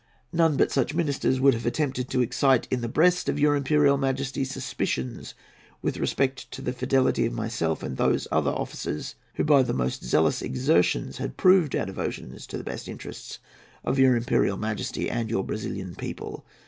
None but such ministers would have attempted to excite in the breast of your Imperial Majesty suspicions with respect to the fidelity of myself and of those other officers who, by the most zealous exertions, had proved our devotion to the best interests of your Imperial Majesty and your Brazilian people.